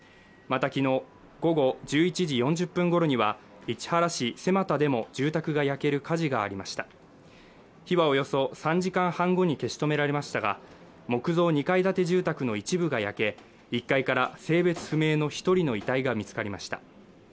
またきのう午後１１時４０分ごろには市原市瀬又でも住宅が焼ける火事がありました火はおよそ３時間半後に消し止められましたが木造２階建て住宅の一部が焼け１階から性別不明の一人の遺体が見つかりました